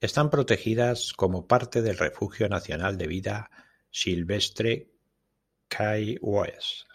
Están protegidas como parte del Refugio Nacional de Vida Silvestre Key West.